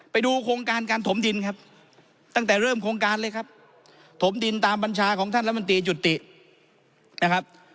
ไปดูโครงการการถมดินครับตั้งแต่เริ่มโครงการเลยครับถมดินตามบัญชาของท่านรัฐมนตรีหยุดตินะครับ